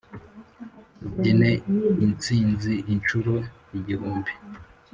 tubyine insinzi inshuro igihumbi!